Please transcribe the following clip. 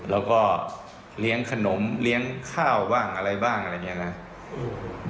แล้วก็เลี้ยงขนมเลี้ยงข้าวบ้างอะไรบ้างอะไรอย่างนี้นะ